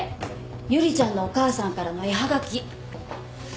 由梨ちゃんのお母さんからの絵はがき。